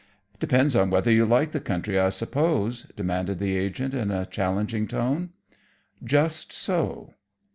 "Depends on whether you like the country, I suppose?" demanded the agent in a challenging tone. "Just so."